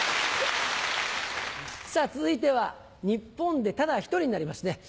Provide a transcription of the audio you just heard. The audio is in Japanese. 続いては日本でただ一人になりますね。